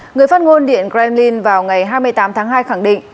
người phát ngôn điện kremlin vào ngày hai mươi tám tháng hai khẳng định